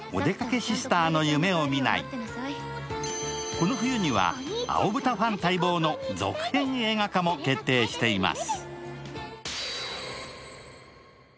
この冬には、「青ブタ」ファン待望の続編映画化も決定しています。